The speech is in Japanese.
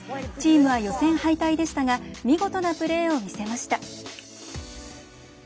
チームは予選敗退でしたが見事なプレーを見せました。